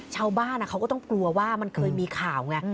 ชาวบ้านเขาก็ต้องกลัวว่ามันเคยมีข่าวไง